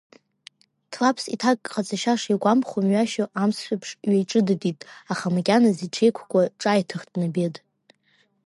Ҭлаԥс иҭак ҟаҵашьа шигәамԥхо мҩашьо амцаԥшь ҩаиҿыдыдит, аха макьаназ иҽеиқәкуа, ҿааиҭыхт Набед.